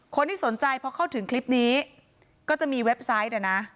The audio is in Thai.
คนที่สนใจพอเข้าถึงคลิปนี้ก็จะมีเว็บไซต์นะ